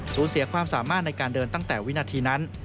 สูญเสียความสามารถในการเดินตั้งแต่วินาทีนั้น